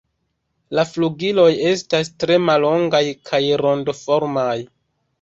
La flugiloj estas tre mallongaj kaj rondoformaj.